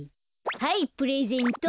はいプレゼント。